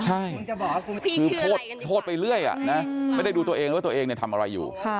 ใช่คือโทษไปเรื่อยนะไม่ได้ดูตัวเองว่าตัวเองทำอะไรอยู่